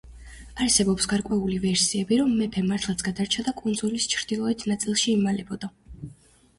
არსებობს გარკვეული ვერსიები, რომ მეფე მართლაც გადარჩა და კუნძულის ჩრდილოეთ ნაწილში იმალებოდა.